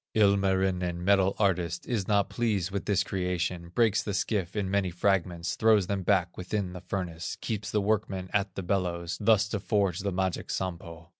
Ilmarinen, metal artist, Is not pleased with this creation, Breaks the skiff in many fragments, Throws them back within the furnace, Keeps the workmen at the bellows, Thus to forge the magic Sampo.